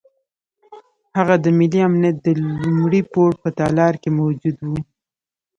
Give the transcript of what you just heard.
هغه د ملي امنیت د لومړي پوړ په تالار کې موجود وو.